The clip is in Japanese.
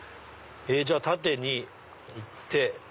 じゃあ縦に行って。